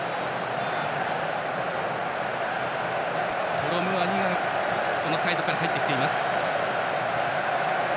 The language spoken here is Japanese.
コロムアニがサイドから入ってきていました。